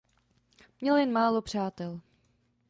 Měl jen málo přátel.